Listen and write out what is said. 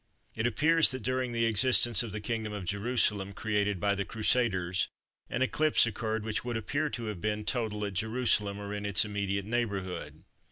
It appears that during the existence of the Kingdom of Jerusalem created by the Crusaders an eclipse occurred which would appear to have been total at Jerusalem or in its immediate neighbourhood.